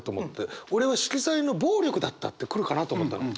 俺は「色彩の暴力だった」って来るかなと思ったの。